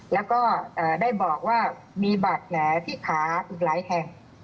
แล้วก็ได้บอกว่ามีบาดแผลที่ขาอีกหลายแห่ง